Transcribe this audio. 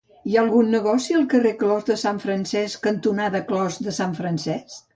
Hi ha algun negoci al carrer Clos de Sant Francesc cantonada Clos de Sant Francesc?